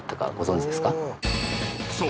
［そう。